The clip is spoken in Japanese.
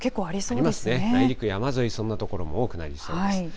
ありますね、内陸山沿い、そんな所も多くなりそうです。